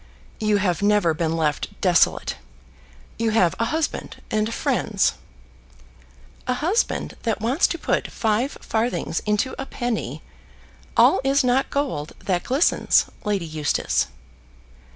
"You have never been left desolate. You have a husband and friends." "A husband that wants to put five farthings into a penny! All is not gold that glistens, Lady Eustace."